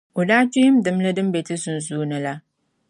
o daa kpihim dimli din be ti sunsuuni la.